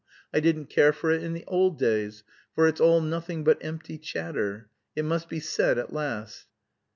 I didn't care for it in old days, for it's all nothing but empty chatter. It must be said at last."